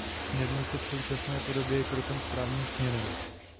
Směrnice v současné podobě je krokem správným směrem.